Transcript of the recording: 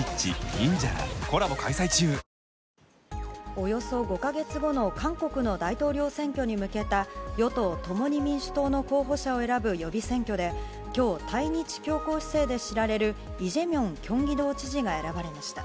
およそ５か月後の韓国の大統領選挙に向けた与党・共に民主党の候補者を選ぶ予備選挙で今日、対日強硬姿勢で知られるイ・ジェミョンキョンギ道知事が選ばれました。